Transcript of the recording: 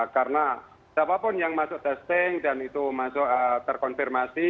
karena siapapun yang masuk testing dan itu masuk terkonfirmasi